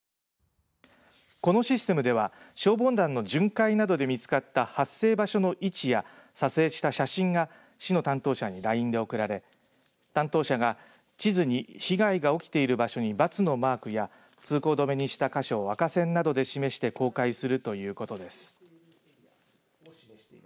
このシステムでは消防団の巡回などで見つかった発生場所の位置や撮影した写真が市の担当者にＬＩＮＥで送られ担当者が地図に被害が起きている場所に×のマークや通行止めでしたか所を赤線などで示して公開するということです。